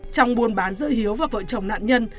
trong buôn bán giữa hiếu và vợ chồng nạn nhân